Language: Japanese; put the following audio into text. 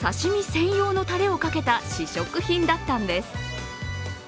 専用のたれをかけた試食品だったんです。